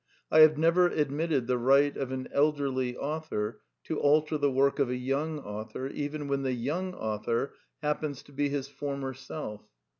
I have never ad mitted the right of an elderly author to alter the work of a young author, even when the young author happens to be his former self.